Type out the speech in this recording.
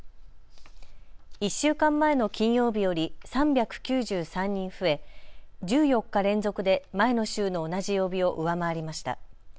１週間前の金曜日より３９３人増え、１４日連続で前の週の同じ曜日を上回りました。